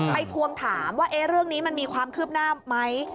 ทวงถามว่าเรื่องนี้มันมีความคืบหน้าไหม